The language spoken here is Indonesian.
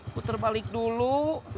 puter balik dulu